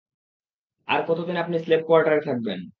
আর কতদিন আপনি স্লেভ কোয়ার্টারে থাকবেন?